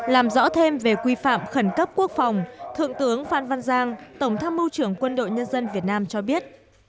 làm rõ thêm về quy phạm khẩn cấp quốc phòng thượng tướng phan văn giang tổng tham mưu trưởng quân đội nhân dân việt nam cho biết